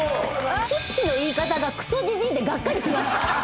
「キッス」の言い方がクソジジイでがっかりしました。